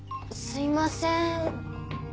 すいません。